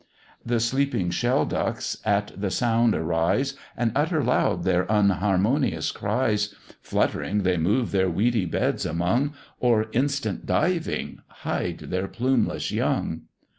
The sleeping shell ducks at the sound arise, And utter loud their unharmonious cries; Fluttering they move their weedy beds among, Or instant diving, hide their plumeless young.